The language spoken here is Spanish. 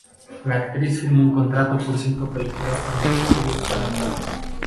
La actriz firmó un contrato por cinco películas con los Estudios Paramount.